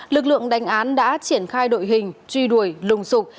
lực lượng đánh án đã triển khai đội hình truy đuổi lùng sụp